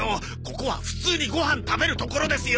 ここは普通にご飯食べるところですよ！